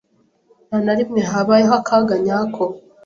Nta na rimwe habaye akaga nyako.